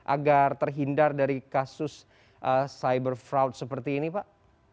agar terhindar dari kasus cyber fraud seperti ini pak